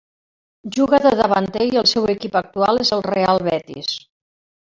Juga de davanter i el seu equip actual és el Real Betis.